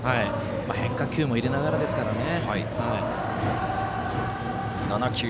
変化球も入れながらですからね。